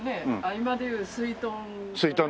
今でいうすいとん。